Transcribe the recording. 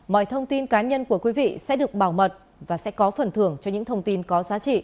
mọi thông tin cá nhân của quý vị sẽ được bảo mật và sẽ có phần thưởng cho những thông tin có giá trị